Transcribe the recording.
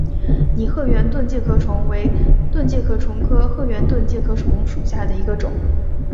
拟褐圆盾介壳虫为盾介壳虫科褐圆盾介壳虫属下的一个种。